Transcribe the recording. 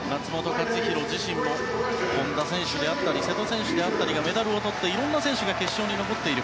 克央自身も本多選手であったり瀬戸選手だったりがメダルをとっていろんな選手が決勝に残っている。